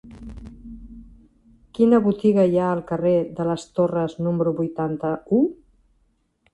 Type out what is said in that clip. Quina botiga hi ha al carrer de les Torres número vuitanta-u?